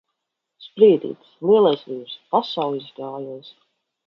Sprīdītis! Lielais vīrs! Pasaules gājējs!